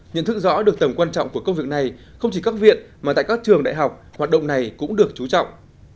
nhận thức rõ được tầm quan trọng của công việc này không chỉ các viện mà tại các trường đại học hoạt động này cũng được chú trọng